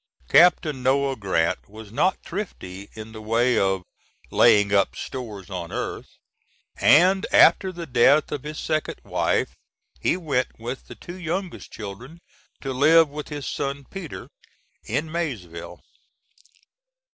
Captain Noah Grant was not thrifty in the way of "laying up stores on earth," and, after the death of his second wife, he went, with the two youngest children, to live with his son Peter, in Maysville.